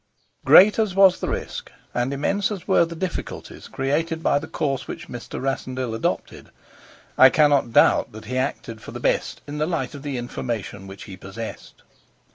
GREAT as was the risk and immense as were the difficulties created by the course which Mr. Rassendyll adopted, I cannot doubt that he acted for the best in the light of the information which he possessed.